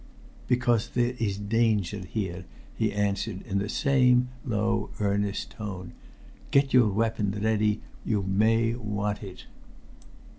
"Because there is danger here," he answered in the same low earnest tone. "Get your weapon ready. You may want it."